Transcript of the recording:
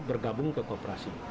bergabung ke kooperasi